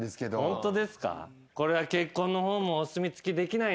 ホントですか？